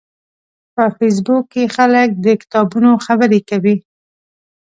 په فېسبوک کې خلک د کتابونو خبرې کوي